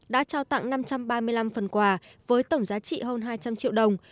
đã trao tặng năm trăm ba mươi năm phần quà với tổng giá trị hơn hai trăm linh triệu đồng